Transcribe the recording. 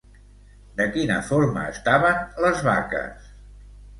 De quina forma estaven les vaques?